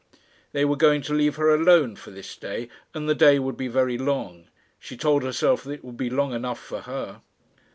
They were going to leave her alone for this day, and the day would be very long. She told herself that it would be long enough for her.